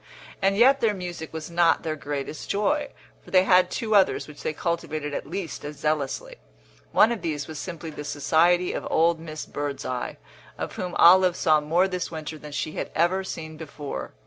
And yet their music was not their greatest joy, for they had two others which they cultivated at least as zealously. One of these was simply the society of old Miss Birdseye, of whom Olive saw more this winter than she had ever seen before.